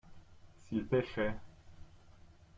S’il pêchait.